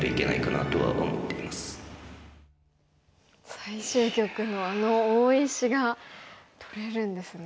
最終局のあの大石が取れるんですね。